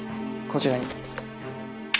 こちらに。